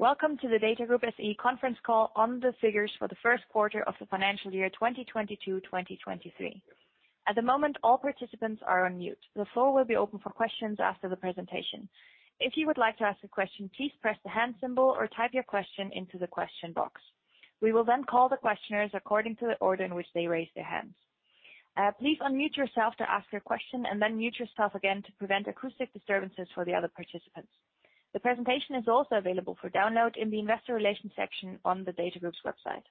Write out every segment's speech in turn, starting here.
Welcome to the DATAGROUP SE Conference Call on the Figures for the Q1 of the Financial Year 2022, 2023. At the moment, all participants are on mute. The floor will be open for questions after the presentation. If you would like to ask a question, please press the hand symbol or type your question into the question box. We will then call the questioners according to the order in which they raise their hands. Please unmute yourself to ask your question and then mute yourself again to prevent acoustic disturbances for the other participants. The presentation is also available for download in the Investor Relations section on the DATAGROUP's website.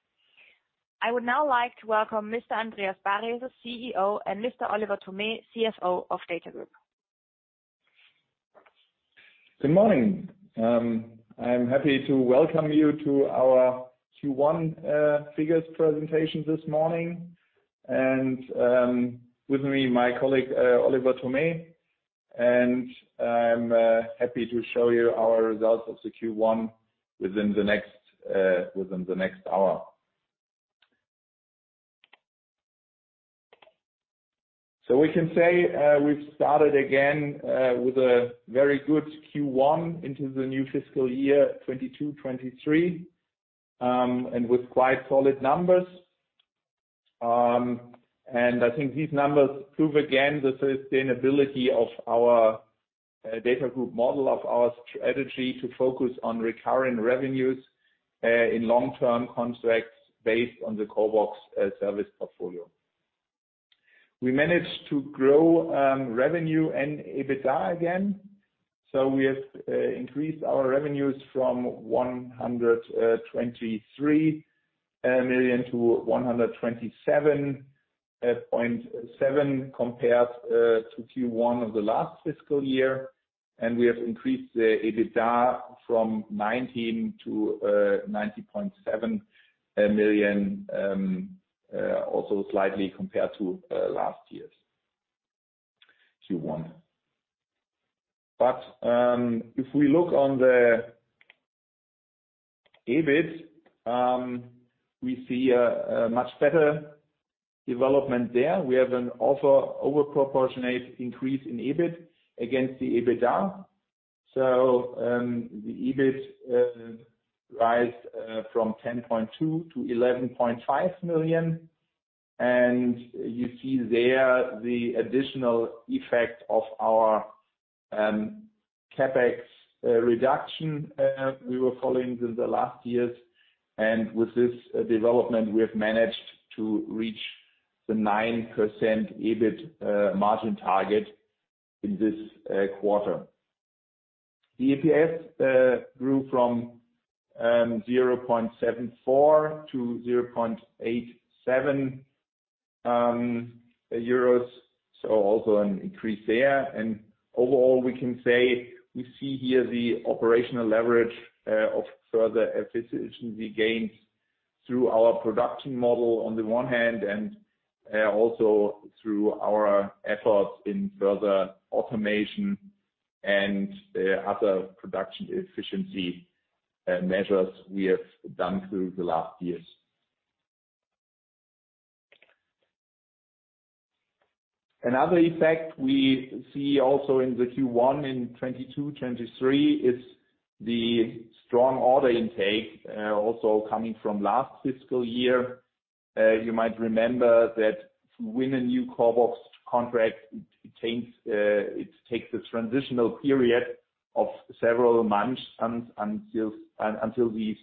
I would now like to welcome Mr. Andreas Baresel, CEO, and Mr. Oliver Thome, CFO of DATAGROUP. Good morning. I am happy to welcome you to our Q1 figures presentation this morning. With me, my colleague, Oliver Thome, and I'm happy to show you our results of the Q1 within the next hour. We can say we've started again with a very good Q1 into the new fiscal year 2022, 2023, and with quite solid numbers. I think these numbers prove again the sustainability of our DATAGROUP model, of our strategy to focus on recurring revenues in long-term contracts based on the CORBOX service portfolio. We managed to grow revenue and EBITDA again. We have increased our revenues from 123 million to 127.7 million compared to Q1 of the last fiscal year. We have increased the EBITDA from 19 million-90.7 million, also slightly compared to last year's Q1. If we look on the EBIT, we see a much better development there. We have an also overproportionate increase in EBIT against the EBITDA. The EBIT rise from 10.2-11.5 million. You see there the additional effect of our CapEx reduction we were following in the last years. With this development, we have managed to reach the 9% EBIT margin target in this quarter. The EPS grew from 0.74-0.87 euros, so also an increase there. Overall, we can say we see here the operational leverage, of further efficiency gains through our production model on the one hand, and also through our efforts in further automation and other production efficiency measures we have done through the last years. Another effect we see also in the Q1 in 2022, 2023 is the strong order intake, also coming from last fiscal year. you might remember that when a new CORBOX contract, it takes a transitional period of several months until these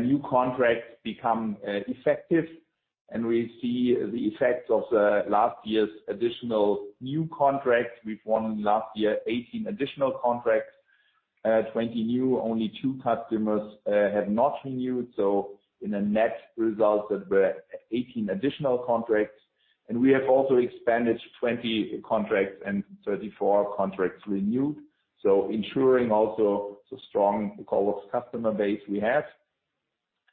new contracts become effective. We see the effects of the last year's additional new contracts. We've won last year 18 additional contracts, 20 new. Only two customers have not renewed. In a net result, there were 18 additional contracts, and we have also expanded 20 contracts and 34 contracts renewed. Ensuring also the strong CORBOX customer base we have.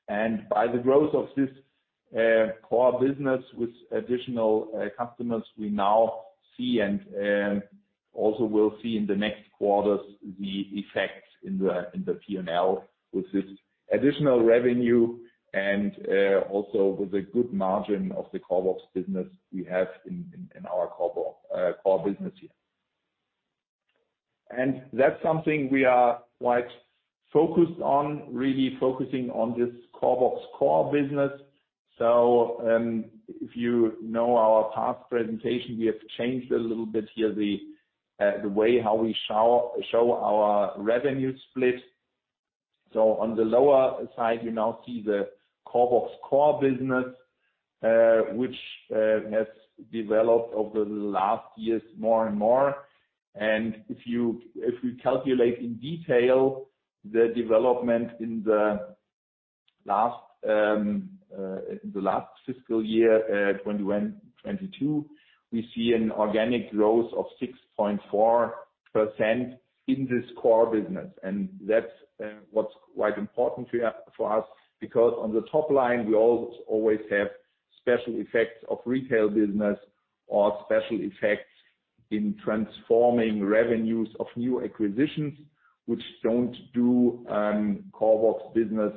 By the growth of this core business with additional customers, we now see and also will see in the next quarters the effects in the P&L with this additional revenue and also with the good margin of the CORBOX business we have in our core business here. That's something we are quite focused on, really focusing on this CORBOX core business. If you know our past presentation, we have changed a little bit here the way how we show our revenue split. On the lower side, you now see the CORBOX core business, which has developed over the last years more and more. If we calculate in detail the development in the last fiscal year, 2021, 2022, we see an organic growth of 6.4% in this core business. That's what's quite important for us, because on the top line, we always have special effects of retail business or special effects in transforming revenues of new acquisitions, which don't do CORBOX business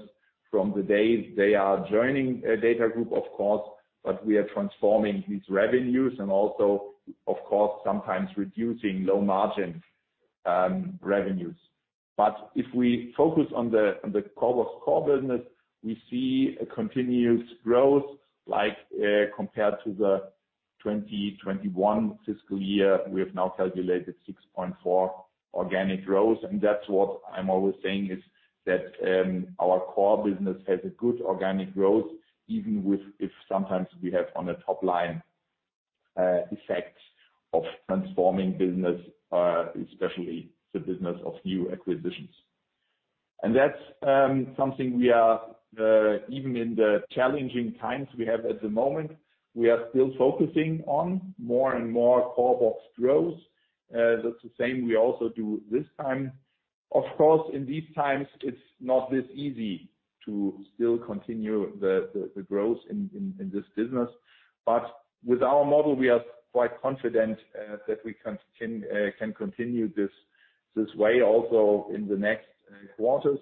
from the day they are joining DATAGROUP, of course, but we are transforming these revenues and also of course, sometimes reducing low margin revenues. If we focus on the CORBOX core business, we see a continuous growth like, compared to the 2021 fiscal year, we have now calculated 6.4% organic growth. That's what I'm always saying is that our core business has a good organic growth, even if sometimes we have on a top line, effects of transforming business, especially the business of new acquisitions. That's something we are, even in the challenging times we have at the moment, we are still focusing on more and more CORBOX growth. That's the same we also do this time. Of course, in these times it's not this easy to still continue the, the growth in, in this business. With our model we are quite confident that we can continue this way also in the next quarters.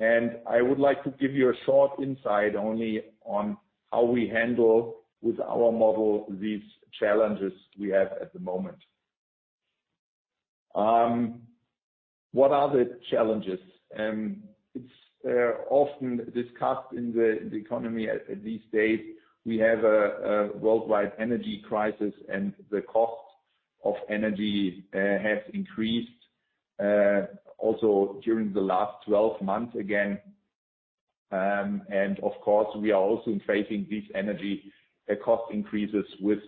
I would like to give you a short insight only on how we handle with our model these challenges we have at the moment. What are the challenges? It's often discussed in the economy at this stage. We have a worldwide energy crisis and the cost of energy has increased also during the last 12 months again. Of course we are also facing these energy cost increases with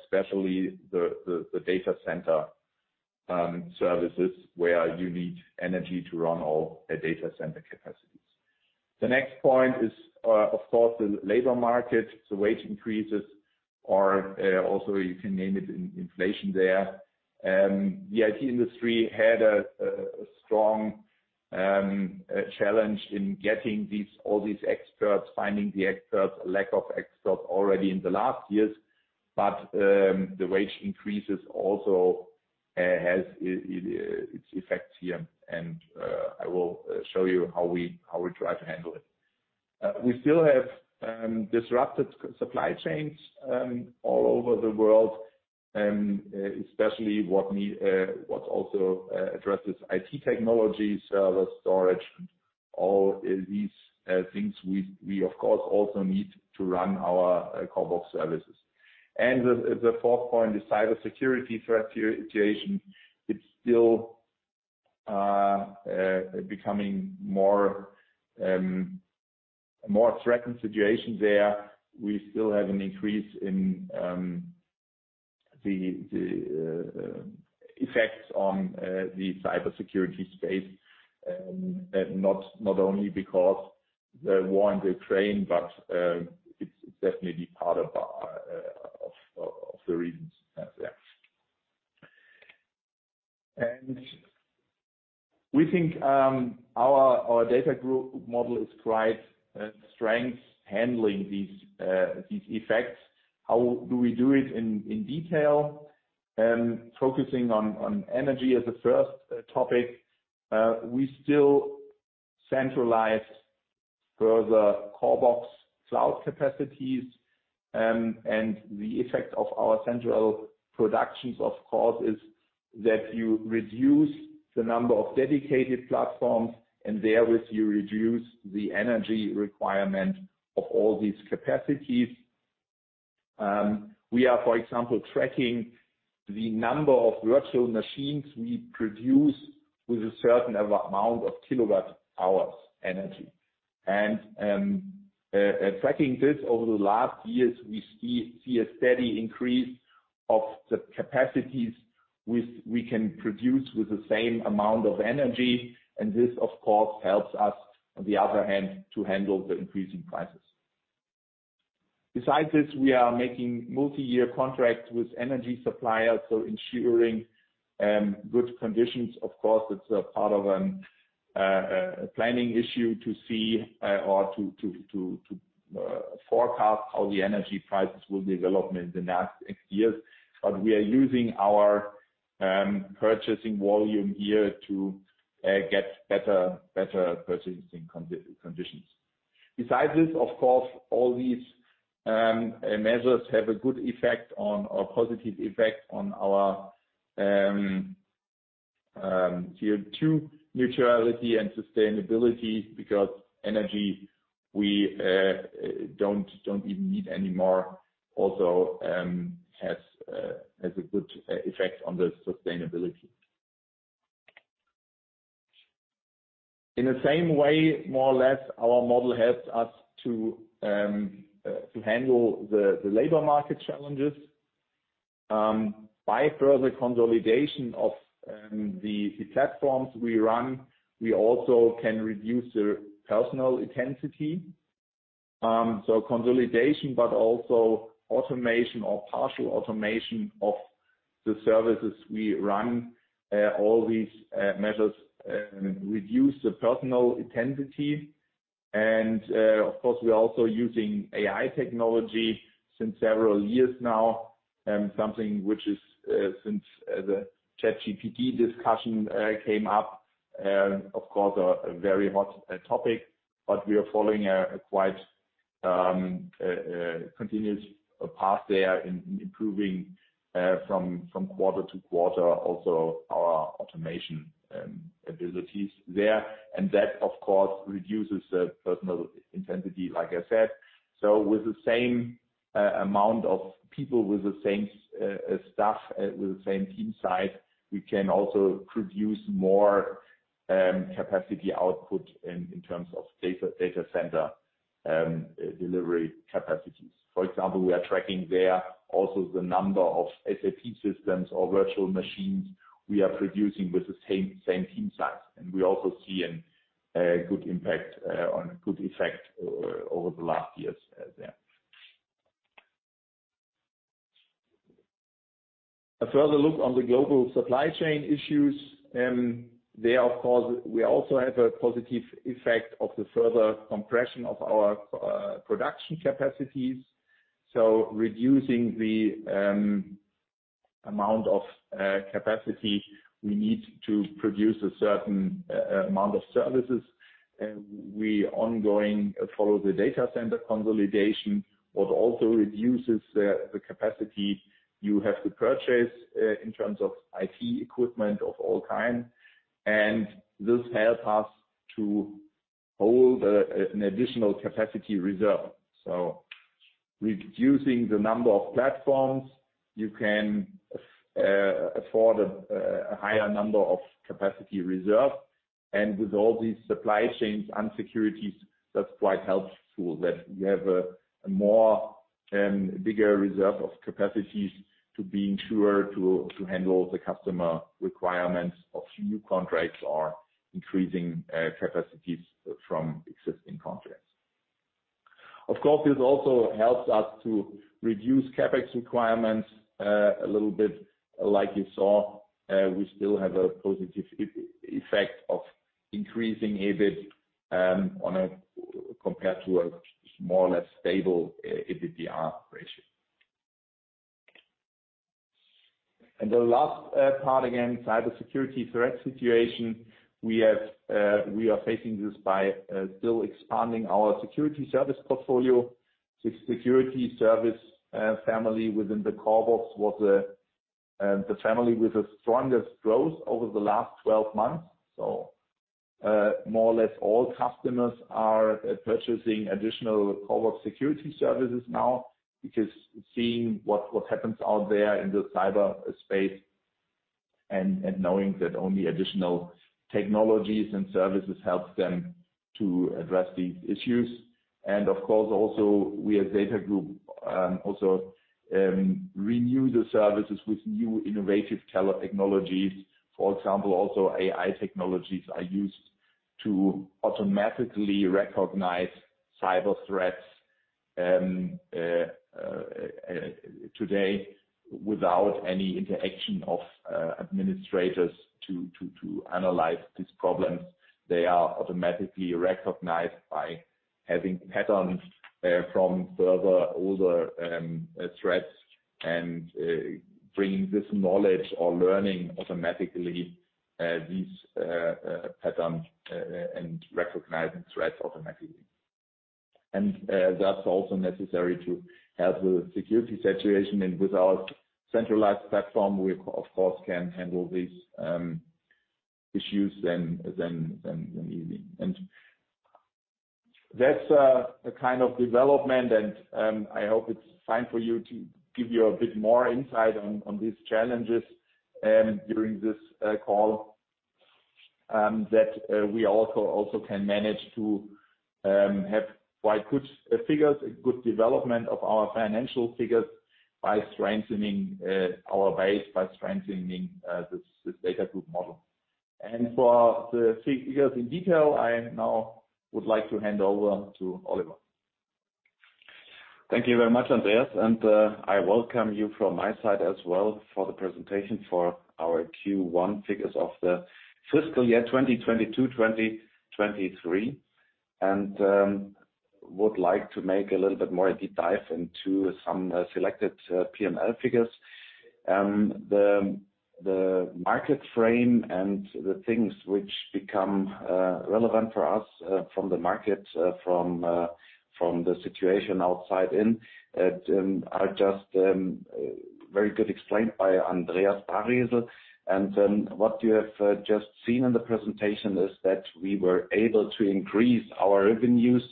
especially the data center services where you need energy to run all the data center capacities. The next point is of course the labor market, the wage increases or also you can name it inflation there. The IT industry had a strong challenge in getting all these experts, finding the experts, lack of experts already in the last years. The wage increases also has its effects here, and I will show you how we try to handle it. We still have disrupted supply chains all over the world, especially what need, what also addresses IT technology, servers, storage, all these things we of course also need to run our CORBOX services. The fourth point is cybersecurity threat situation. It's still becoming more threatened situation there. We still have an increase in the effects on the cybersecurity space. Not only because the war in Ukraine, but it's definitely part of the reasons there. We think our DATAGROUP model is quite strength handling these effects. How do we do it in detail? Focusing on energy as a first topic, we still centralize further CORBOX cloud capacities. The effect of our central productions, of course, is that you reduce the number of dedicated platforms, and therewith you reduce the energy requirement of all these capacities. We are, for example, tracking the number of virtual machines we produce with a certain amount of KWh energy. Tracking this over the last years, we see a steady increase of the capacities which we can produce with the same amount of energy. This, of course, helps us on the other hand, to handle the increasing prices. Besides this, we are making multi-year contracts with energy suppliers, so ensuring good conditions. Of course, it's a part of a planning issue to see or to forecast how the energy prices will develop in the next years. We are using our purchasing volume here to get better purchasing conditions. Besides this, of course, all these measures have a good effect on or positive effect on our CO2 neutrality and sustainability because energy we don't even need anymore also has a good effect on the sustainability. In the same way, more or less our model helps us to handle the labor market challenges. By further consolidation of the platforms we run, we also can reduce the personal intensity. Consolidation but also automation or partial automation of the services we run. All these measures reduce the personal intensity. Of course we are also using AI technology since several years now. Something which is since the ChatGPT discussion came up, of course a very hot topic, but we are following a quite continuous path there in improving from quarter to quarter, also our automation abilities there. That, of course, reduces the personal intensity, like I said. With the same amount of people, with the same staff, with the same team size, we can also produce more capacity output in terms of data center delivery capacities. For example, we are tracking there also the number of SAP systems or virtual machines we are producing with the same team size. We also see a good impact on a good effect over the last years there. A further look on the global supply chain issues, there of course, we also have a positive effect of the further compression of our production capacities. Reducing the amount of capacity we need to produce a certain amount of services. We ongoing follow the data center consolidation, what also reduces the capacity you have to purchase in terms of IT equipment of all kind. This helps us to hold an additional capacity reserve. So reducing the number of platforms you can afford a higher number of capacity reserve. With all these supply chains and securities, that's quite helpful that we have a more bigger reserve of capacities to being sure to handle the customer requirements of new contracts or increasing capacities from existing contracts. Of course, this also helps us to reduce CapEx requirements a little bit. Like you saw, we still have a positive effect of increasing EBIT compared to a more or less stable EBITDA ratio. The last part, again, cybersecurity threat situation. We have, we are facing this by still expanding our security service portfolio. The security service family within the CORBOX was the family with the strongest growth over the last 12 months. More or less all customers are purchasing additional CORBOX security services now because seeing what happens out there in the cyber space and knowing that only additional technologies and services helps them to address these issues. We at DATAGROUP also renew the services with new innovative technologies. For example, also AI technologies are used to automatically recognize cyber threats today without any interaction of administrators to analyze these problems. They are automatically recognized by having patterns from further older threats and bringing this knowledge or learning automatically these patterns and recognizing threats automatically. That's also necessary to help the security situation. With our centralized platform, we of course, can handle these issues then easily. That's a kind of development, I hope it's fine for you to give you a bit more insight on these challenges during this call. That we also can manage to have quite good figures, a good development of our financial figures by strengthening our base, by strengthening this DATAGROUP model. For the figures in detail, I now would like to hand over to Oliver. Thank you very much, Andreas. I welcome you from my side as well for the presentation for our Q1 figures of the fiscal year 2022/2023. Would like to make a little bit more a deep dive into some selected P&L figures. The market frame and the things which become relevant for us from the market, from the situation outside in, are just very good explained by Andreas Baresel. What you have just seen in the presentation is that we were able to increase our revenues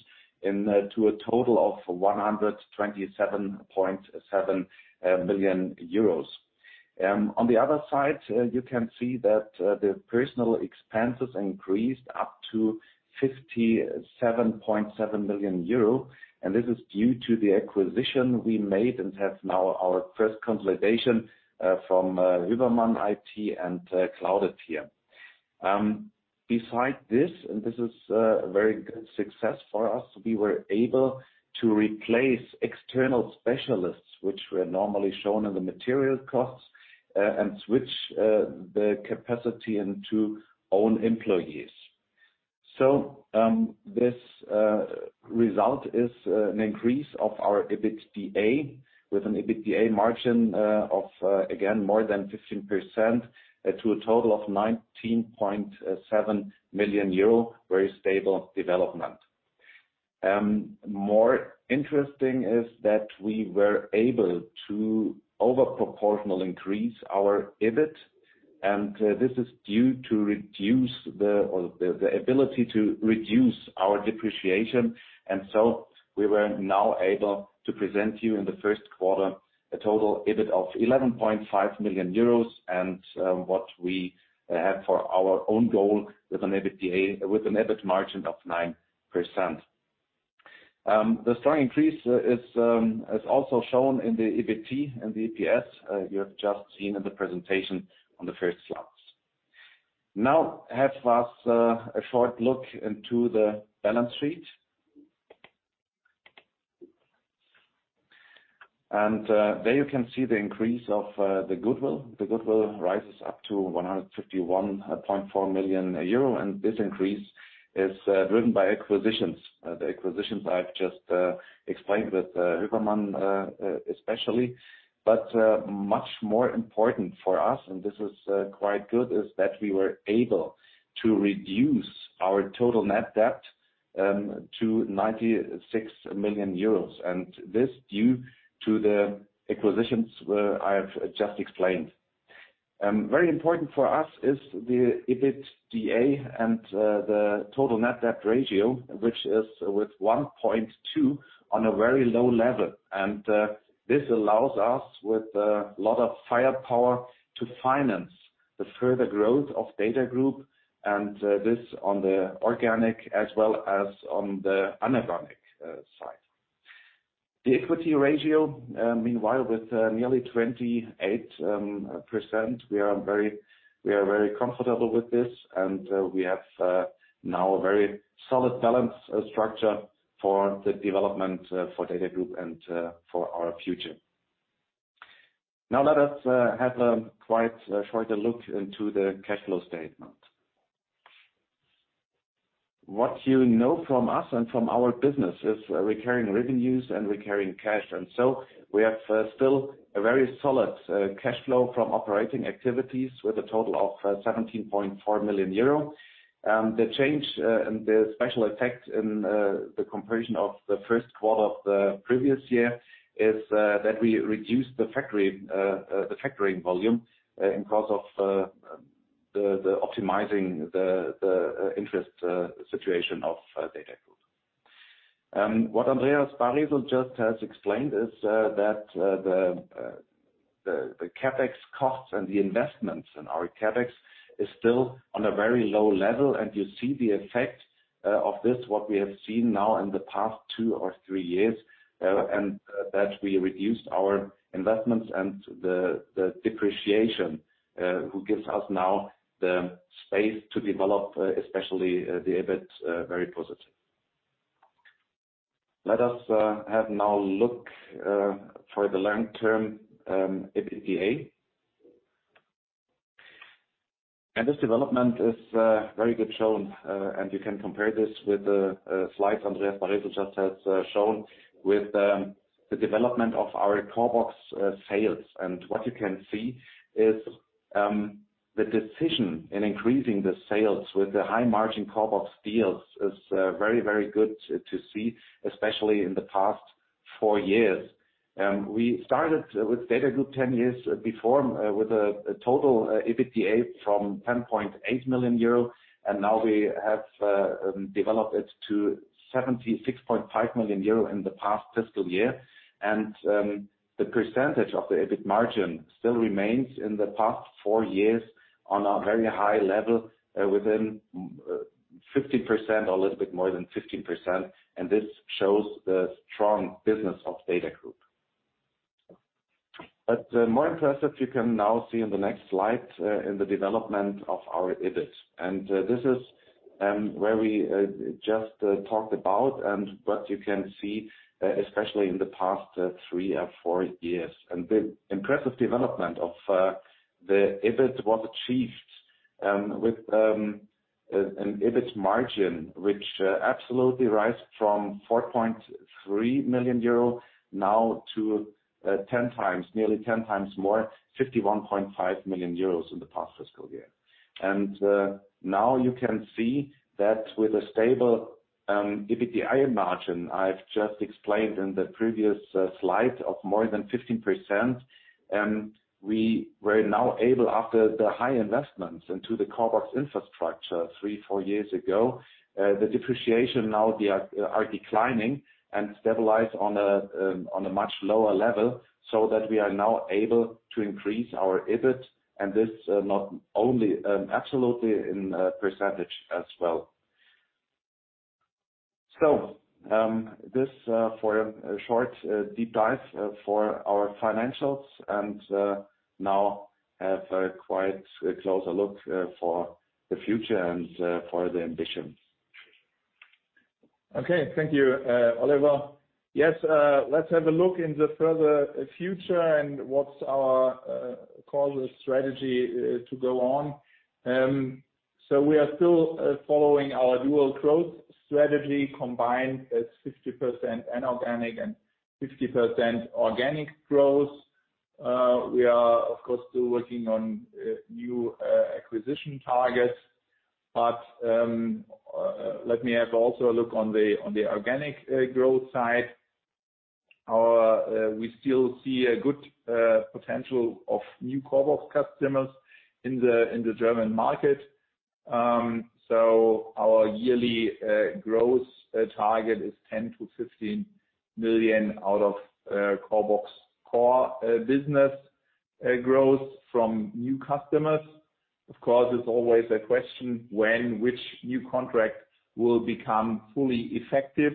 to a total of 127.7 million euros. On the other side, you can see that the personal expenses increased up to 57.7 million euro. This is due to the acquisition we made and have now our first consolidation from Hövermann IT and Cloudeteer. Besides this is a very good success for us, we were able to replace external specialists, which were normally shown in the material costs, and switch the capacity into own employees. This result is an increase of our EBITDA with an EBITDA margin of again, more than 15%, to a total of 19.7 million euro. Very stable development. More interesting is that we were able to over proportional increase our EBIT. This is due to the ability to reduce our depreciation. We were now able to present you in the Q1 a total EBIT of 11.5 million euros and, what we have for our own goal with an EBITDA, with an EBIT margin of 9%. The strong increase is also shown in the EBT and the EPS, you have just seen in the presentation on the first slides. Now have first a short look into the balance sheet. There you can see the increase of the goodwill. The goodwill rises up to 151.4 million euro, and this increase is driven by acquisitions. The acquisitions I've just explained with Hövermann, especially. Much more important for us, and this is quite good, is that we were able to reduce our total net debt to 96 million euros. This due to the acquisitions I have just explained. Very important for us is the EBITDA and the total net debt ratio, which is with 1.2 on a very low level. This allows us with a lot of firepower to finance the further growth of DATAGROUP and this on the organic as well as on the anorganic side. The equity ratio, meanwhile, with nearly 28%, we are very comfortable with this, and we have now a very solid balance structure for the development for DATAGROUP and for our future. Now let us have a quite shorter look into the cash flow statement. What you know from us and from our business is recurring revenues and recurring cash. We have still a very solid cash flow from operating activities with a total of 17.4 million euro. The change and the special effect in the comparison of the Q1 of the previous year is that we reduced the factoring volume in cost of optimizing the interest situation of DATAGROUP. What Andreas Baresel just has explained is that the CapEx costs and the investments in our CapEx is still on a very low level and you see the effect of this, what we have seen now in the past two or three years, and that we reduced our investments and the depreciation, who gives us now the space to develop especially the EBIT very positive. Let us have now look for the long term EBITDA. This development is very good shown and you can compare this with the slides Andreas Baresel just has shown with the development of our CORBOX sales. What you can see is, the decision in increasing the sales with the high margin CORBOX deals is very, very good to see, especially in the past four years. We started with DATAGROUP 10 years before, with a total EBITDA from 10.8 million euro, and now we have developed it to 76.5 million euro in the past fiscal year. The percentage of the EBIT margin still remains in the past four years on a very high level, within 50%, a little bit more than 50%, and this shows the strong business of DATAGROUP. More impressive, you can now see in the next slide, in the development of our EBIT. This is where we just talked about and what you can see especially in the past three or four years. The impressive development of the EBIT was achieved with an EBIT margin, which absolutely rise from 4.3 million euro now to 10 times, nearly 10 times more, 51.5 million euros in the past fiscal year. Now you can see that with a stable EBITDA margin, I've just explained in the previous slide of more than 15%, we were now able after the high investments into the CORBOX infrastructure three, four years ago, the depreciation now they are declining and stabilize on a much lower level, so that we are now able to increase our EBIT and this not only absolutely in percentage as well. This for a short deep dive for our financials and now have a quite closer look for the future and for the ambitions. Okay. Thank you, Oliver. Yes, let's have a look in the further future and what's our call strategy to go on. We are still following our dual growth strategy combined as 50% inorganic and 50% organic growth. We are of course, still working on new acquisition targets. Let me have also a look on the organic growth side. We still see a good potential of new CORBOX customers in the German market. Our yearly growth target is 10 million-15 million out of CORBOX core business growth from new customers. Of course, there's always a question when which new contract will become fully effective.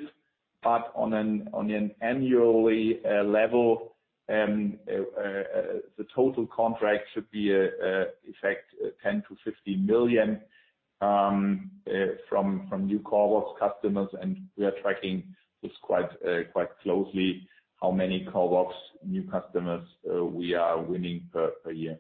On an annually level, the total contract should be effect 10 million-15 million from new CORBOX customers. We are tracking this quite closely how many CORBOX new customers we are winning per year.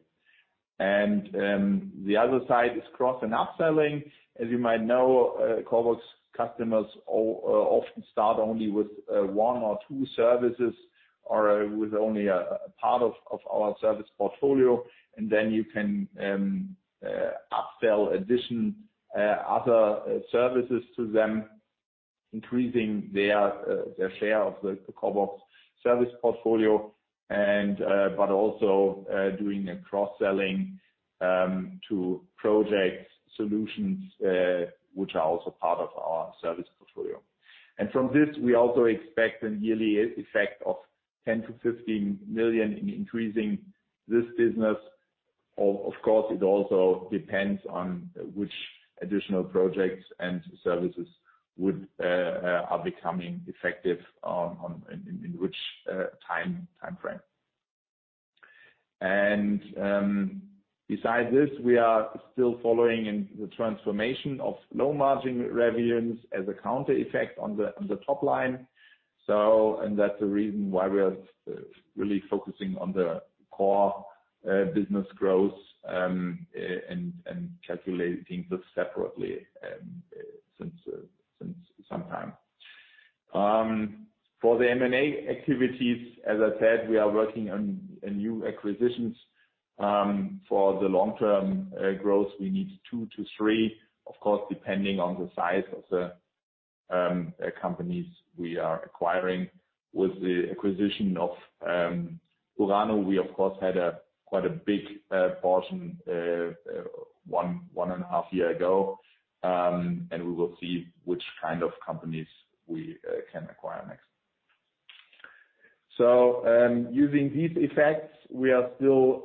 The other side is cross and upselling. As you might know, CORBOX customers often start only with one or two services or with only a part of our service portfolio. Then you can upsell other services to them, increasing their share of the CORBOX service portfolio but also doing a cross-selling to projects solutions, which are also part of our service portfolio. From this, we also expect a yearly effect of 10 million-15 million in increasing this business. Of course, it also depends on which additional projects and services would become effective in which time frame. Besides this, we are still following in the transformation of low margin revenues as a counter effect on the top line. And that's the reason why we are really focusing on the core business growth, and calculating this separately, since sometime. For the M&A activities, as I said, we are working on new acquisitions. For the long term growth, we need two to three, of course, depending on the size of the companies we are acquiring. With the acquisition of URANO, we of course had a quite a big portion, one and a half year ago. We will see which kind of companies we can acquire next. Using these effects, we are still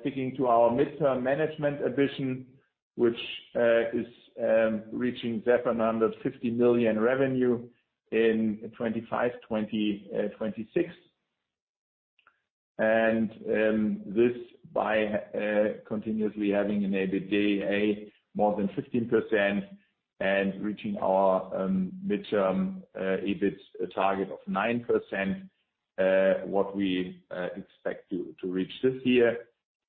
sticking to our midterm management ambition, which is reaching 750 million revenue in 2025, 2026. This by continuously having an EBITDA more than 15% and reaching our midterm EBIT target of 9%, what we expect to reach this year.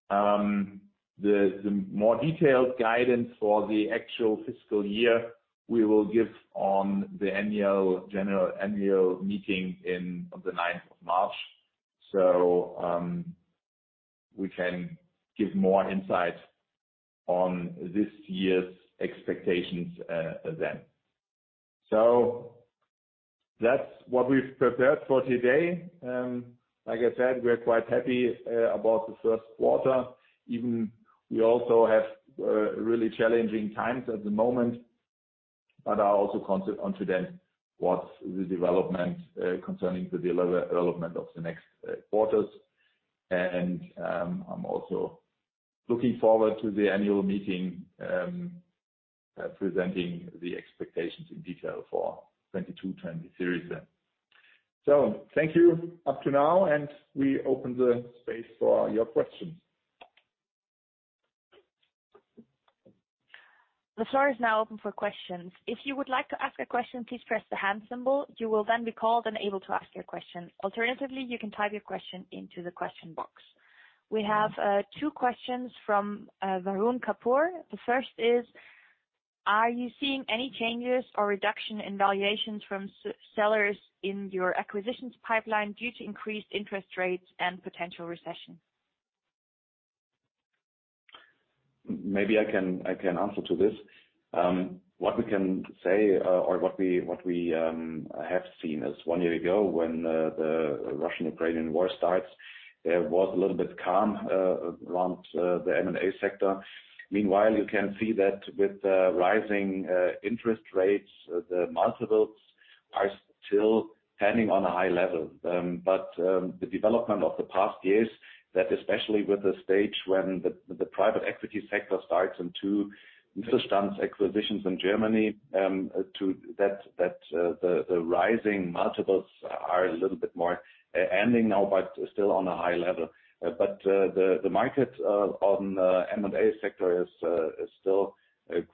The more detailed guidance for the actual fiscal year we will give on the Annual General Meeting on the 9th of March. We can give more insight on this year's expectations then. That's what we've prepared for today. Like I said, we are quite happy about the Q1, even we also have really challenging times at the moment. I also confident what the development concerning the development of the next quarters. I'm also looking forward to the Annual General Meeting presenting the expectations in detail for 2022, 2023 series then. Thank you up to now, and we open the space for your questions. The floor is now open for questions. If you would like to ask a question, please press the Hand symbol. You will then be called and able to ask your question. Alternatively, you can type your question into the question box. We have two questions from Varun Kapoor. The first is: Are you seeing any changes or reduction in valuations from sellers in your acquisitions pipeline due to increased interest rates and potential recession? Maybe I can answer to this. What we can say, or what we have seen is one year ago when the Russian-Ukrainian war starts, there was a little bit calm around the M&A sector. Meanwhile, you can see that with the rising interest rates, the multiples are still standing on a high level. The development of the past years that especially with the stage when the private equity sector starts into distance acquisitions in Germany, that the rising multiples are a little bit more e-ending now, but still on a high level. The market on M&A sector is still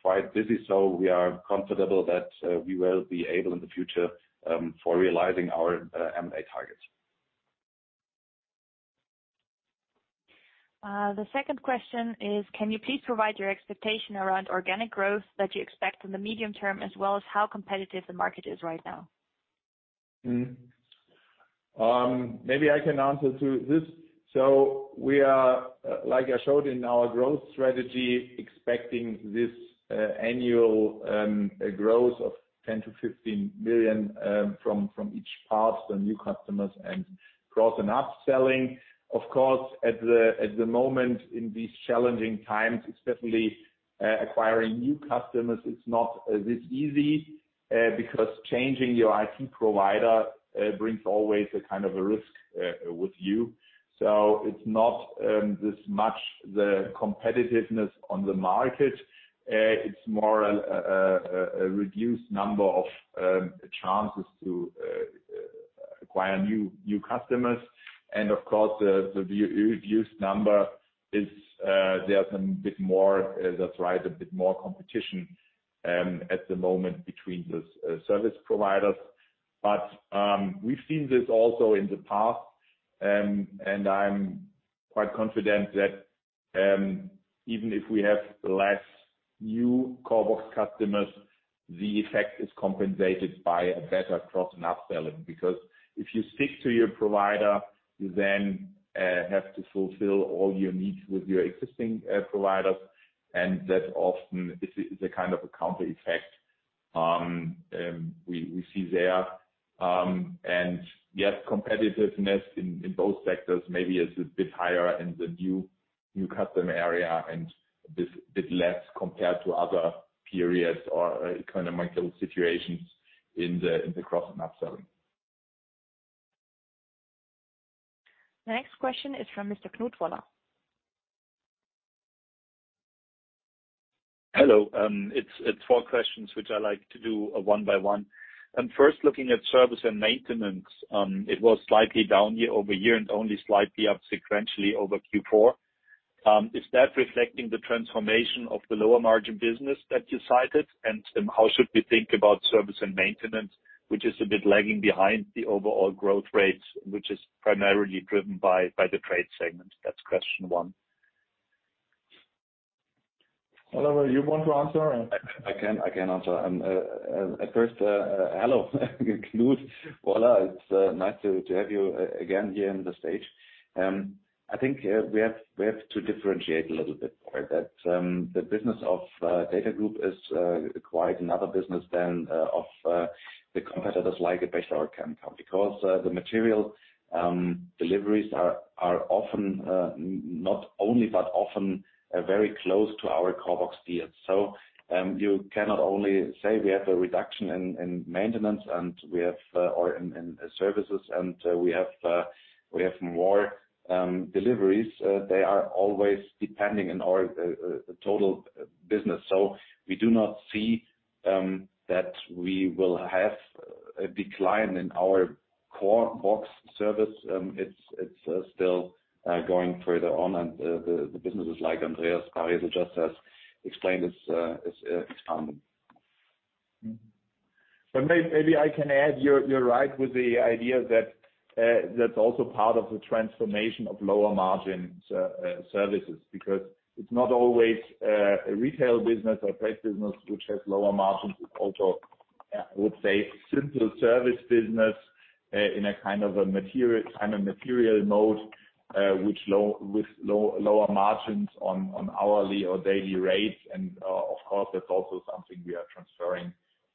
quite busy, we are comfortable that we will be able in the future for realizing our M&A targets. The second question is, can you please provide your expectation around organic growth that you expect in the medium term, as well as how competitive the market is right now? Maybe I can answer to this. We are, like I showed in our growth strategy, expecting this annual growth of 10 million-15 million from each path to new customers and cross and upselling. Of course, at the moment in these challenging times, especially acquiring new customers, it's not this easy because changing your IT provider brings always a kind of a risk with you. It's not this much the competitiveness on the market. It's more a reduced number of chances to acquire new customers. Of course, the reduced number is, there's a bit more, that's right, a bit more competition at the moment between the service providers. We've seen this also in the past, and I'm quite confident that even if we have less new CORBOX customers, the effect is compensated by a better cross and upselling. Because if you stick to your provider, you then have to fulfill all your needs with your existing providers, and that often is a kind of a counter effect we see there. And yes, competitiveness in both sectors maybe is a bit higher in the new customer area, and a bit less compared to other periods or economic situations in the cross and upselling. The next question is from Mr. Knut Woller. Hello. It's four questions, which I like to do one by one. First, looking at service and maintenance, it was slightly down year-over-year and only slightly up sequentially over Q4. Is that reflecting the transformation of the lower margin business that you cited? How should we think about service and maintenance, which is a bit lagging behind the overall growth rates, which is primarily driven by the trade segment? That's question one. Oliver, you want to answer? I can answer. At first, hello, Knut Woller. It's nice to have you again here in the stage. I think we have to differentiate a little bit for that. The business of DATAGROUP is quite another business than of the competitors like a Bechtle or a CANCOM. Because the material deliveries are often not only, but often are very close to our CORBOX deals. You cannot only say we have a reduction in maintenance, and we have or in services, and we have more deliveries. They are always depending on our total business. We do not see that we will have a decline in our CORBOX service. It's still going further on and the businesses like Andreas Baresel just has explained is expanding. Maybe I can add, you're right with the idea that that's also part of the transformation of lower margin services, because it's not always a retail business or trade business which has lower margins. It's also, I would say, simple service business, in a kind of a material mode, which with lower margins on hourly or daily rates. Of course, that's also something we are transferring,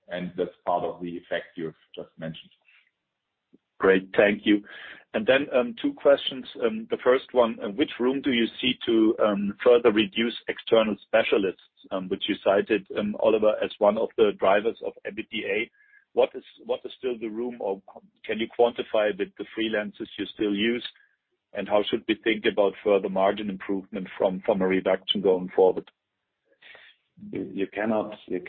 and that's part of the effect you've just mentioned. Great. Thank you. Then, two questions. The first one, which room do you see to further reduce external specialists, which you cited, Oliver, as one of the drivers of EBITDA? What is still the room or can you quantify the freelancers you still use? How should we think about further margin improvement from a reduction going forward? You cannot get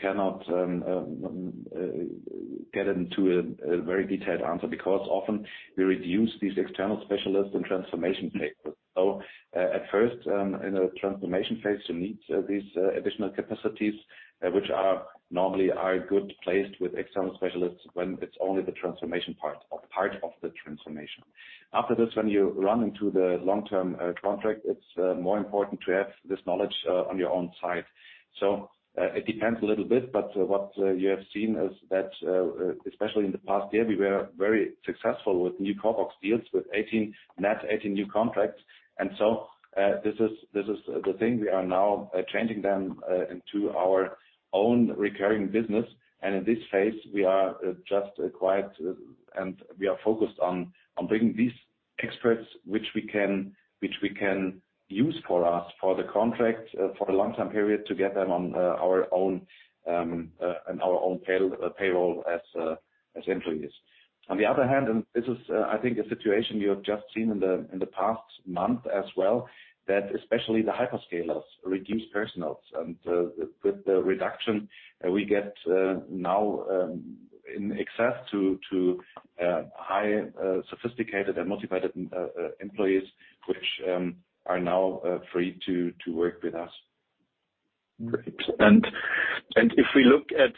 into a very detailed answer because often we reduce these external specialists in transformation phases. At first, in a transformation phase, you need these additional capacities, which are normally good placed with external specialists when it's only the transformation part or part of the transformation. After this, when you run into the long-term contract, it's more important to have this knowledge on your own side. It depends a little bit, but what you have seen is that especially in the past year, we were very successful with new CORBOX deals with 18 net 18 new contracts. This is the thing. We are now changing them into our own recurring business. In this phase, we are just quiet and we are focused on bringing these experts, which we can use for us, for the contract, for a long time period, to get them on our own payroll as employees. On the other hand, this is I think a situation you have just seen in the past month as well, that especially the hyperscalers reduce personnel. With the reduction, we get now in excess to high sophisticated and motivated employees, which are now free to work with us. Great.If we look at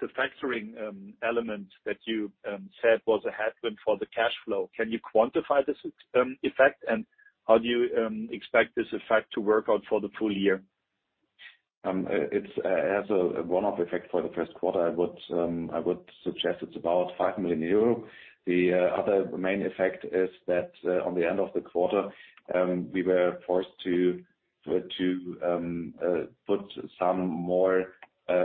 the factoring element that you said was a headwind for the cash flow, can you quantify this effect and how do you expect this effect to work out for the full year? It's a one-off effect for the Q1. I would suggest it's about 5 million euro. Other main effect is that on the end of the quarter, we were forced to put some more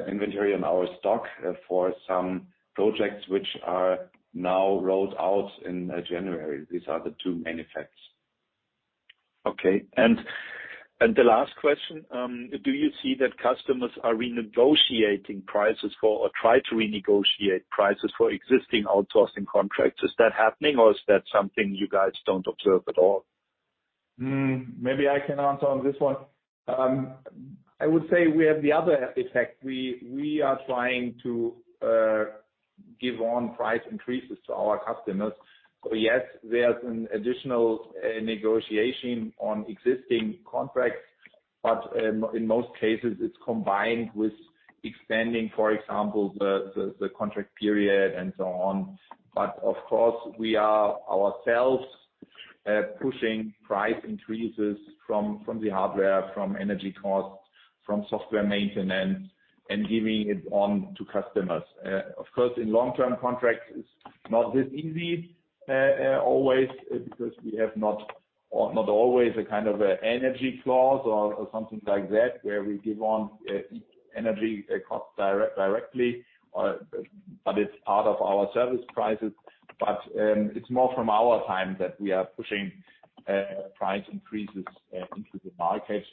inventory on our stock for some projects which are now rolled out in January. These are the two main effects. Okay. The last question, do you see that customers are renegotiating prices for or try to renegotiate prices for existing outsourcing contracts? Is that happening or is that something you guys don't observe at all? Maybe i can answer on this one. I would say we have the other effect. We are trying to give on price increases to our customers. So yes, there is an additional negotiation on existing contracts. But in most cases, it is combined with extending, for example, the contract period and so on. But of course, we are ourselves pushing price increases from the hardware, from energy costs, from software maintenance and giving it on to customers. Of course, in long-term contracts, it is not this easy always because we have not always a kind of energy clause or something like that where we give on energy costs directly, but it is part of our service prices. But it is more from our time that we are pushing price increases into the market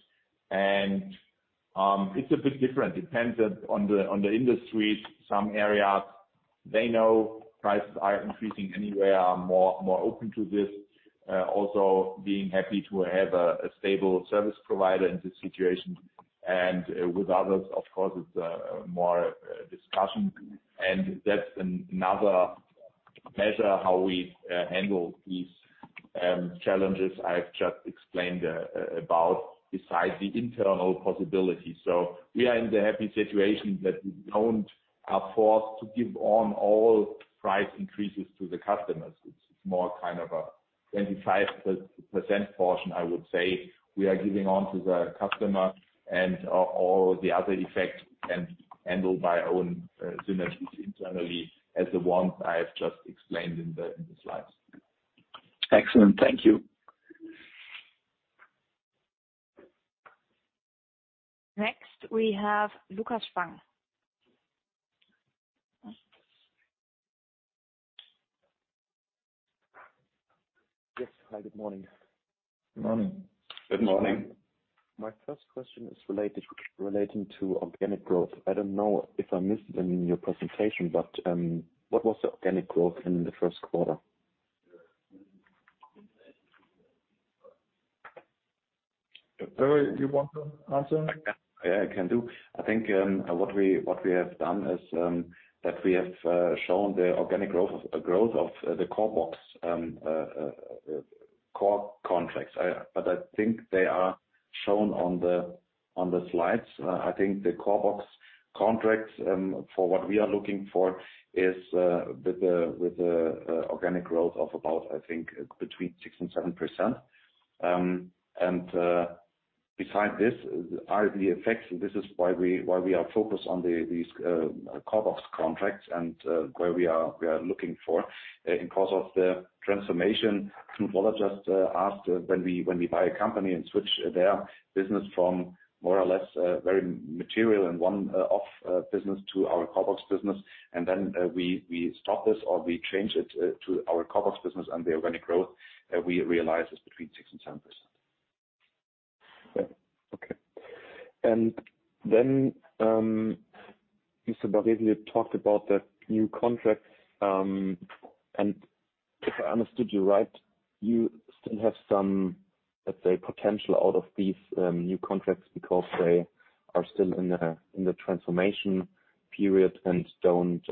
It's a bit different. Depends on the industry. Some areas they know prices are increasing anyway, are more open to this. Also being happy to have a stable service provider in this situation. With others, of course, it's more discussion. That's another measure how we handle these challenges I've just explained about besides the internal possibility. We are in the happy situation that we don't are forced to give on all price increases to the customers. It's more kind of a 25% portion I would say we are giving on to the customer and all the other effects can handle by our own synergies internally as the ones I have just explained in the slides. Excellent. Thank you. Next we have Lukas Spang. Yes. Hi, good morning. Morning. Good morning. My first question is relating to organic growth. I don't know if I missed it in your presentation, but, what was the organic growth in the Q1? Do you want to answer? I can. Yeah, I can do. I think, what we have done is, that we have shown the organic growth of the CORBOX core contracts. I think they are shown on the slides. I think the CORBOX contracts, for what we are looking for is, with the organic growth of about, I think between 6% and 7%. Beside this are the effects. This is why we are focused on these CORBOX contracts and where we are looking for. In course of the transformation, Woller just asked when we buy a company and switch their business from more or less, very material and one-off, business to our CORBOX business. We stop this or we change it to our CORBOX business and the organic growth we realize is between 6% and 10%. Okay. Mr. Baresel, you talked about the new contracts. If I understood you right, you still have some, let's say, potential out of these new contracts because they are still in the transformation period and don't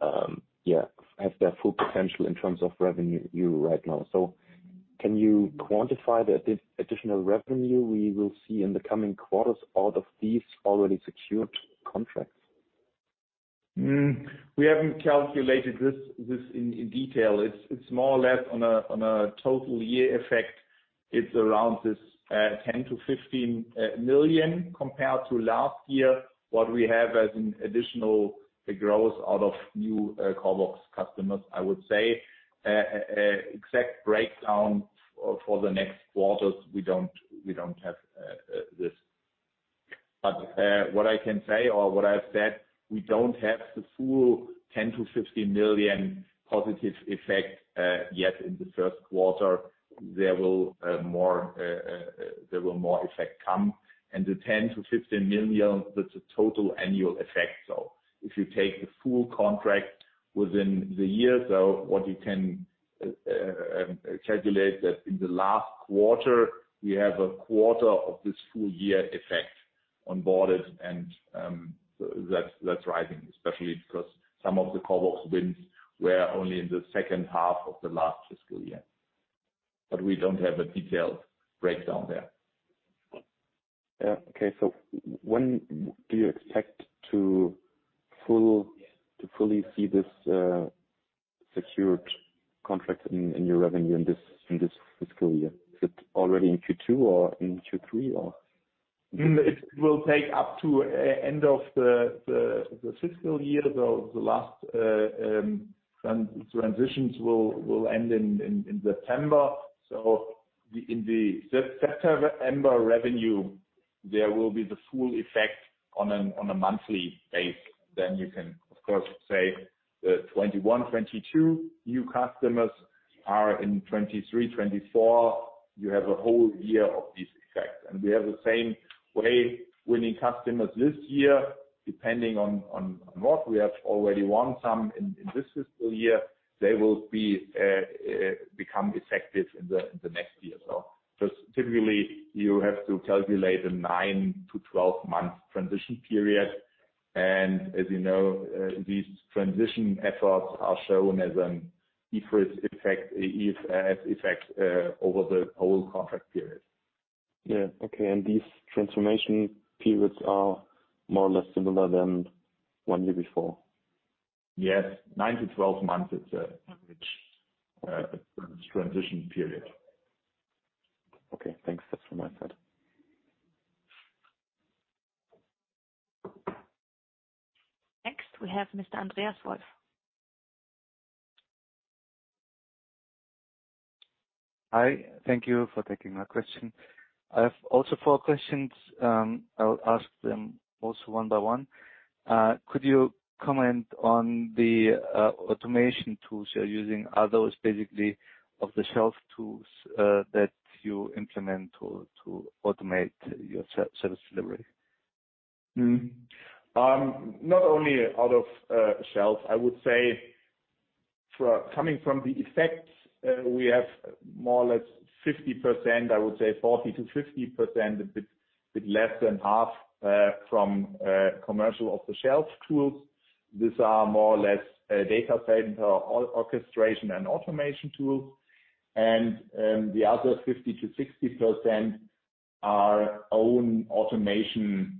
have their full potential in terms of revenue right now. Can you quantify the additional revenue we will see in the coming quarters out of these already secured contracts? We haven't calculated this in detail. It's more or less on a total year effect. It's around this 10 million-15 million compared to last year. What we have as an additional growth out of new CORBOX customers. I would say exact breakdown for the next quarters, we don't have this. What I can say or what I've said, we don't have the full 10 million-15 million positive effect yet in the Q1. There will more effect come. The 10 million-15 million, that's a total annual effect. If you take the full contract within the year, what you can calculate that in the last quarter we have a quarter of this full year effect on board and that's rising especially because some of the CORBOX wins were only in the second half of the last fiscal year. We don't have a detailed breakdown there. Yeah. Okay. When do you expect to fully see this secured contract in your revenue in this fiscal year? Is it already in Q2 or in Q3, or? It will take up to end of the fiscal year. The last transitions will end in September. In the September revenue, there will be the full effect on a monthly base. You can of course say the 2021, 2022 new customers are in 2023, 2024. You have a whole year of this effect. We have the same way winning customers this year, depending on what we have already won some in this fiscal year. They will become effective in the next year. Just typically you have to calculate a nine to 12 month transition period. As you know, these transition efforts are shown as an IFRS effect over the whole contract period. Yeah. Okay. These transformation periods are more or less similar than one year before? Yes. nine to 12 months is the average transition period. Okay, thanks. That's from my side. Next we have Mr. Andreas Wolf. Hi. Thank you for taking my question. I have also four questions. I'll ask them also one by one. Could you comment on the automation tools you're using? Are those basically off-the-shelf tools that you implement to automate your service delivery? Not only out of shelf, I would say for coming from the effects, we have more or less 50%, I would say 40%-50%, a bit less than half, from commercial off-the-shelf tools. These are more or less data center orchestration and automation tools. The other 50%-60% are own automation approaches.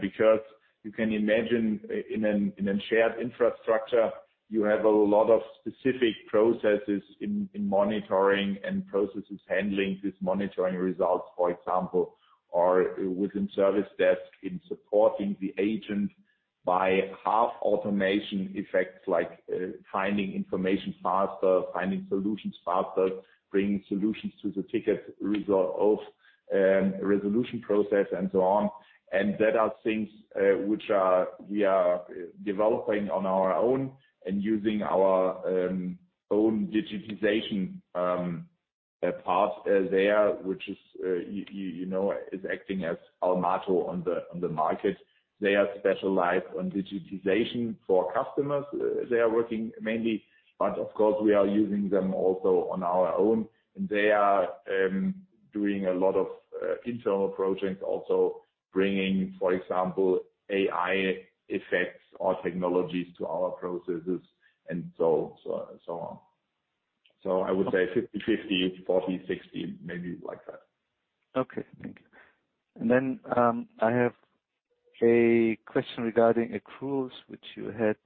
Because you can imagine in a shared infrastructure, you have a lot of specific processes in monitoring and processes handling these monitoring results, for example. Within service desk in supporting the agent by half automation effects like finding information faster, finding solutions faster, bringing solutions to the ticket resolution process and so on. That are things we are developing on our own and using our own digitization path there, which is, you know, is acting as Almato on the market. They are specialized on digitization for customers. They are working mainly, but of course we are using them also on our own, and they are doing a lot of internal projects, also bringing, for example, AI effects or technologies to our processes and so and so on. I would say 50/50, 40/60, maybe like that. Okay, thank you. Then, I have a question regarding accruals, which you had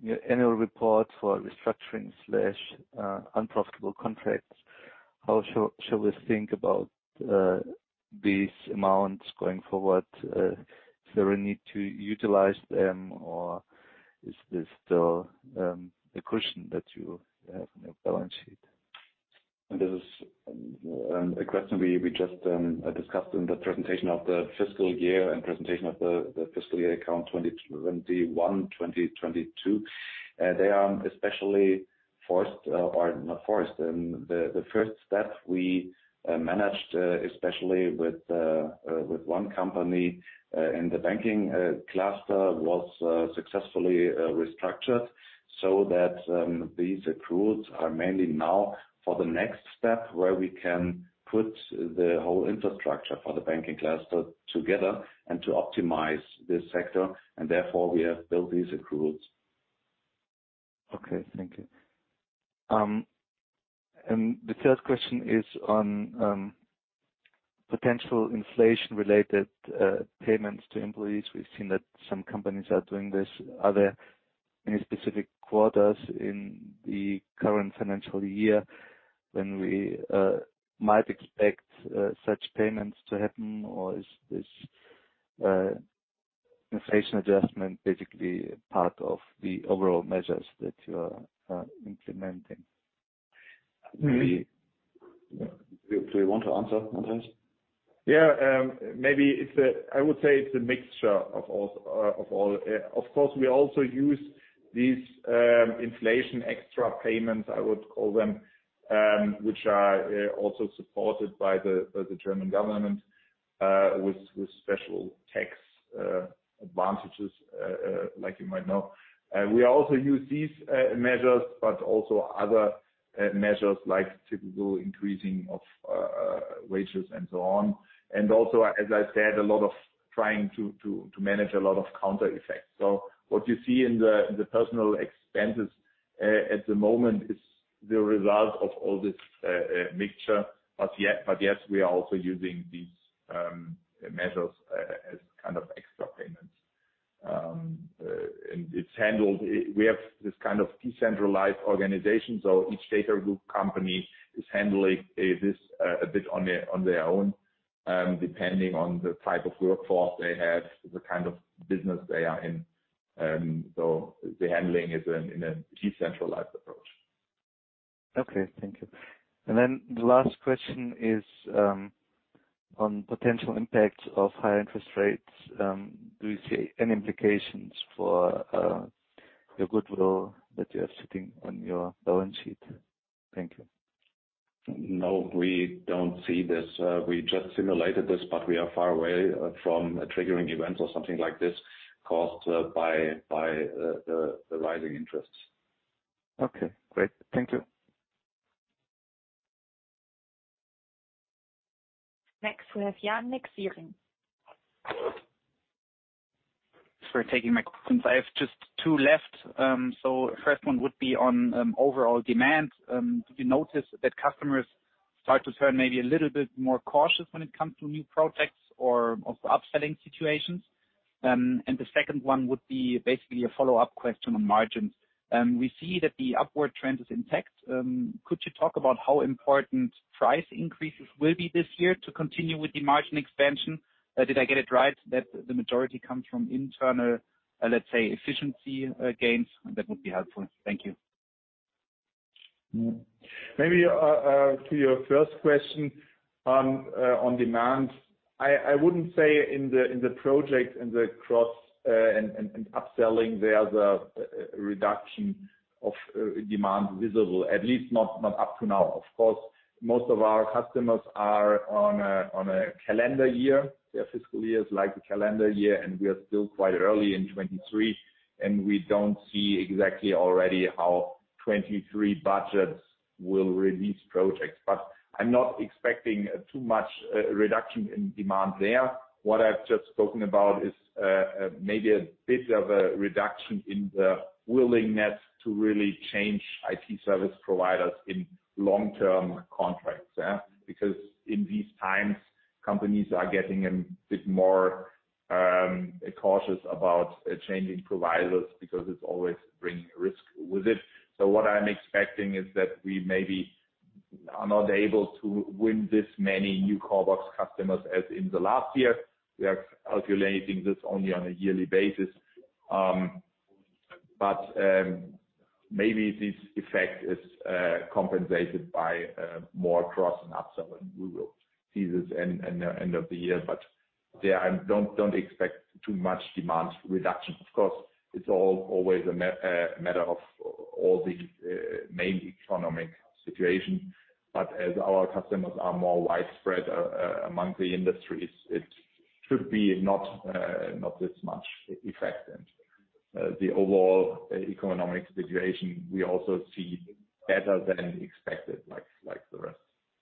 in your annual report for restructuring slash unprofitable contracts. How should we think about these amounts going forward? Is there a need to utilize them or is this still a cushion that you have in your balance sheet? This is a question we just discussed in the presentation of the fiscal year and presentation of the fiscal year account 2021, 2022. They are especially forced or not forced. The first step we managed especially with one company in the banking cluster was successfully restructured so that these accruals are mainly now for the next step, where we can put the whole infrastructure for the banking cluster together and to optimize this sector. Therefore we have built these accruals. Okay. Thank you. The third question is on potential inflation-related payments to employees. We've seen that some companies are doing this. Are there any specific quarters in the current financial year when we might expect such payments to happen? Or is this inflation adjustment basically part of the overall measures that you are implementing? Mm-hmm. Do you want to answer to this? Maybe I would say it's a mixture of all of all. Of course, we also use these inflation extra payments, I would call them, which are also supported by the German government with special tax advantages like you might know. We also use these measures but also other measures like typical increasing of wages and so on. Also, as I said, a lot of trying to manage a lot of counter effects. What you see in the personal expenses at the moment it's the result of all this mixture. Yes, we are also using these measures as kind of extra payments. We have this kind of decentralized organization. Each DATAGROUP company is handling this on their own, depending on the type of workforce they have, the kind of business they are in. The handling is in a decentralized approach. Okay. Thank you. The last question is, on potential impacts of higher interest rates. Do you see any implications for your goodwill that you are sitting on your balance sheet? Thank you. We don't see this. We just simulated this, but we are far away from a triggering event or something like this caused by the rising interests. Okay, great. Thank you. Next we have Yannik Siering. Thanks for taking my questions. I have just two left. First one would be on overall demand. Do you notice that customers start to turn maybe a little bit more cautious when it comes to new projects or also upselling situations? The second one would be basically a follow-up question on margins. We see that the upward trend is intact. Could you talk about how important price increases will be this year to continue with the margin expansion? Did I get it right that the majority comes from internal, let's say, efficiency gains? That would be helpful. Thank you. Maybe, to your first question on demand. I wouldn't say in the project and the cross and upselling there's a reduction of demand visible, at least not up to now. Of course, most of our customers are on a calendar year. Their fiscal year is like the calendar year, and we are still quite early in 23, and we don't see exactly already how 23 budgets will release projects. I'm not expecting too much reduction in demand there. What I've just spoken about is maybe a bit of a reduction in the willingness to really change IT service providers in long-term contracts, yeah. In these times, companies are getting a bit more cautious about changing providers because it's always bringing risk with it. What I'm expecting is that we maybe are not able to win this many new CORBOX customers as in the last year. We are calculating this only on a yearly basis. Maybe this effect is compensated by more cross and upsell, and we will see this in the end of the year. Yeah, I don't expect too much demand reduction. Of course, it's always a matter of all the main economic situation. As our customers are more widespread among the industries, it should be not not this much effect. The overall economic situation, we also see better than expected, like the rest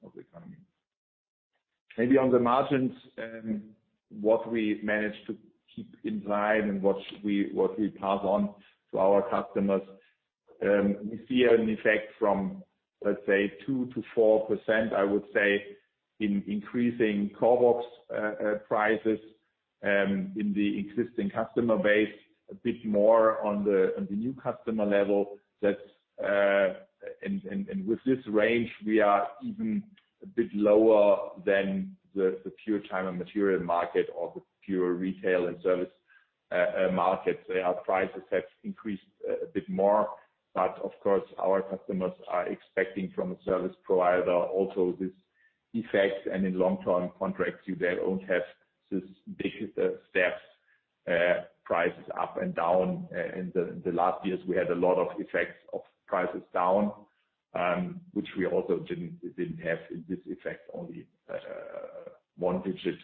of the economy. Maybe on the margins, what we managed to keep in line and what we pass on to our customers, we see an effect from, let's say, 2%-4%, I would say, in increasing CORBOX prices, in the existing customer base, a bit more on the new customer level. With this range, we are even a bit lower than the pure time and material market or the pure retail and service markets. Their prices have increased a bit more. Of course, our customers are expecting from a service provider also this effect. In long-term contracts, you then won't have this big steps prices up and down. In the last years, we had a lot of effects of prices down, which we also didn't have this effect, only one-digit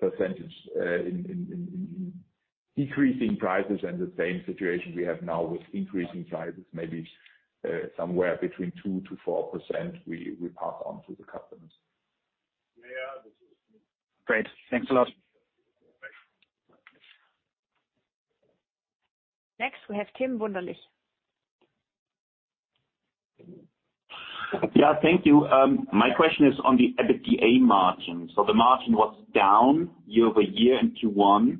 percentage in decreasing prices. The same situation we have now with increasing prices, maybe somewhere between 2%-4% we pass on to the customers. Great. Thanks a lot. Thanks. Next we have Tim Wunderlich. Thank you. My question is on the EBITDA margin. The margin was down year-over-year in Q1.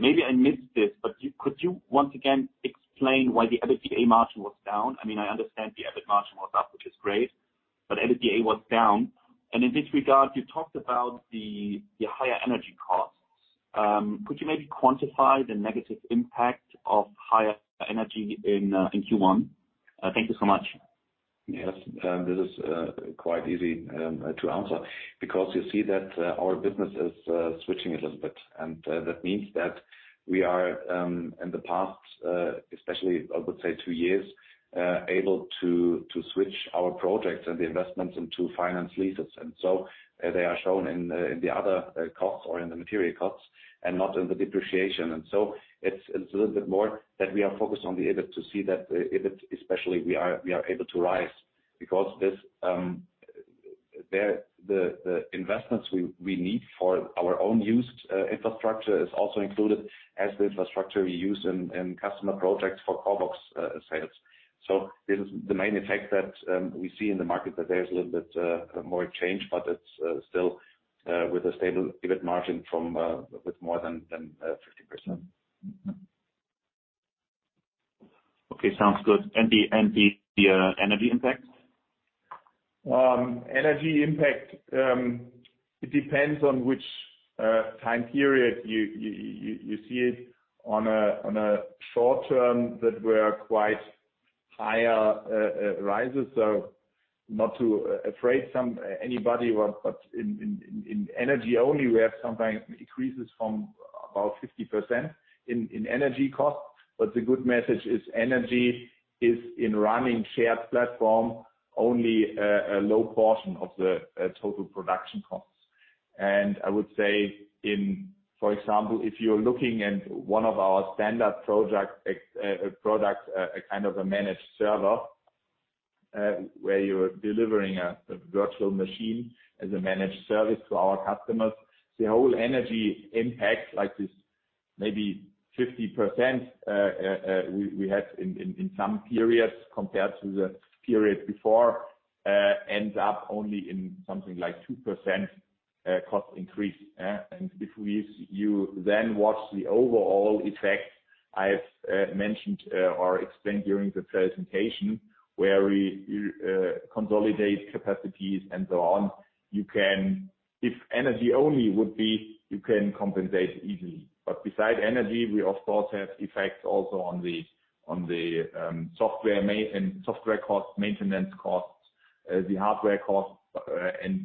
Maybe I missed this, but could you once again explain why the EBITDA margin was down? I mean, I understand the EBIT margin was up, which is great, but EBITDA was down. In this regard, you talked about the higher energy costs. Could you maybe quantify the negative impact of higher energy in Q1? Thank you so much. Yes. This is quite easy to answer because you see that our business is switching a little bit. That means that we are in the past, especially I would say two years, able to switch our projects and the investments into finance leases. So, they are shown in the other costs or in the material costs and not in the depreciation. So, it's a little bit more that we are focused on the EBIT to see that the EBIT especially we are able to rise. Because the investments we need for our own used infrastructure is also included as the infrastructure we use in customer projects for CORBOX sales. This is the main effect that we see in the market, that there's a little bit more change, but it's still with a stable EBIT margin from with more than 50%. Okay, sounds good. The energy impact? Energy impact, it depends on which time period you see it. On a short term that were quite higher rises. Not to afraid anybody, in energy only, we have sometimes increases from about 50% in energy costs. The good message is energy is, in running shared platform, only a low portion of the total production costs. I would say in, for example, if you're looking at one of our standard project products, a kind of a managed server, where you're delivering a virtual machine as a managed service to our customers, the whole energy impact like this, maybe 50%, we had in some periods compared to the period before, ends up only in something like 2% cost increase. If you then watch the overall effect I've mentioned or explained during the presentation, where we consolidate capacities and so on, you can. If energy only would be, you can compensate easily. Beside energy, we of course have effects also on the software costs, maintenance costs, the hardware costs.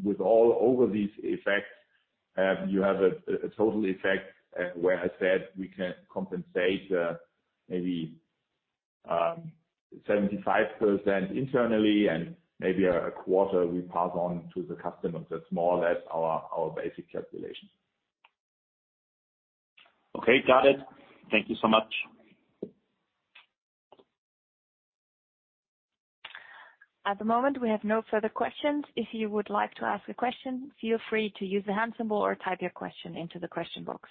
With all of these effects, you have a total effect, where I said we can compensate, maybe, 75% internally and maybe a quarter we pass on to the customers. That's more or less our basic calculation. Okay, got it. Thank you so much. At the moment, we have no further questions. If you would like to ask a question, feel free to use the Hand symbol or type your question into the question box.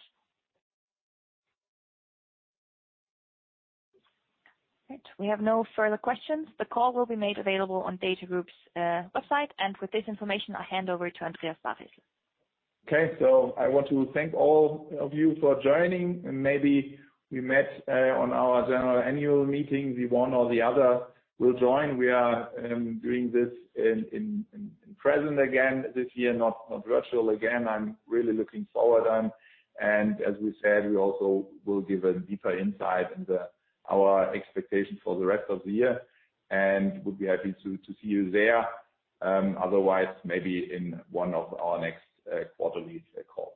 Right. We have no further questions. The call will be made available on DATAGROUP's website. With this information, I hand over to Andreas Baresel. I want to thank all of you for joining, and maybe we met on our Annual General Meeting. The one or the other will join. We are doing this in present again this year, not virtual again. I'm really looking forward. As we said, we also will give a deeper insight into our expectations for the rest of the year and would be happy to see you there, otherwise maybe in one of our next quarterly calls.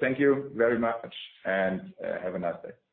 Thank you very much and have a nice day.